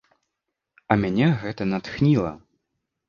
А мяне гэта натхніла.